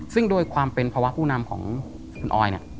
ซึ่งโดยความเป็นภาวะผู้นำของคุณออยเนี่ย